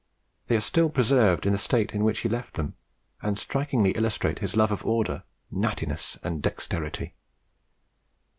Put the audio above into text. They are still preserved in the state in which he left them, and strikingly illustrate his love of order, "nattiness," and dexterity.